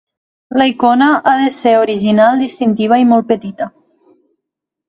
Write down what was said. La icona ha de ser original, distintiva i molt petita.